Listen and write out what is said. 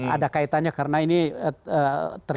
ada kaitannya karena ini terjadi